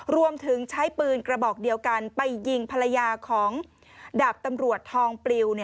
รวมถึงใช้ปืนกระบอกเดียวกันไปยิงภรรยาของดาบตำรวจทองปลิว